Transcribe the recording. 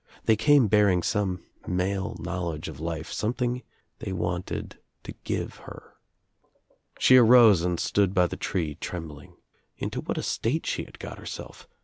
They came bearing some male knowledge of life, something they wanted to ^ve her. She arose and stood by the tree, trembling. Into what a state she had got herself!